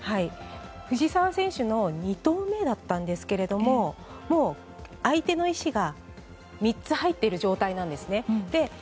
藤澤選手の２投目だったんですが相手の石が３つ入っている状態なんですね。